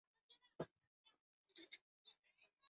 曾在法国国家自然史博物馆担任教授。